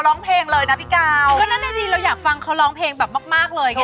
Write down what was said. ก็หมดลงอีกแล้วแต่ทำให้เรารู้จักเขามากขึ้นนะ